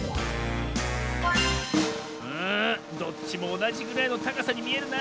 うんどっちもおなじぐらいのたかさにみえるなあ。